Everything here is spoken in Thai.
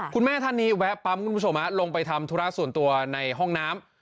คุณแม่ท่านนี้แวะปั๊มคุณผู้ชมลงไปทำธุระส่วนตัวในห้องน้ำ